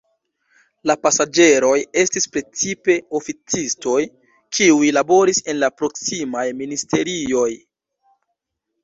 La pasaĝeroj estis precipe oficistoj, kiuj laboris en la proksimaj ministerioj.